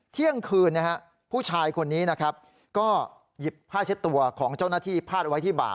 เที่ยงคืนผู้ชายคนนี้นะครับก็หยิบผ้าเช็ดตัวของเจ้าหน้าที่พาดไว้ที่บ่า